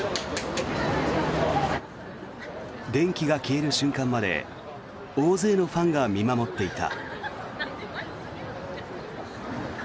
電気が消える瞬間まで大勢のファンが見守っていた。